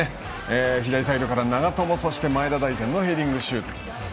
左サイドから長友そして前田大然のヘディングシュート。